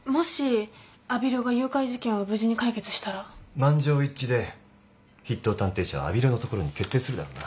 満場一致で筆頭探偵社は阿比留のところに決定するだろうな。